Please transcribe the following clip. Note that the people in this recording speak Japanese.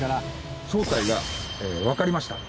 正体がわかりました。